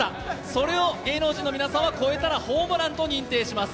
それを芸能人の皆さんは越えたらホームランとみなします。